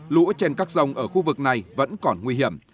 lũ trên các rông ở khu vực này vẫn còn nguy hiểm